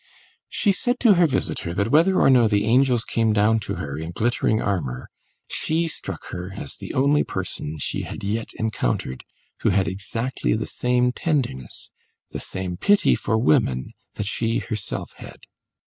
She said to her visitor that whether or no the angels came down to her in glittering armour, she struck her as the only person she had yet encountered who had exactly the same tenderness, the same pity, for women that she herself had.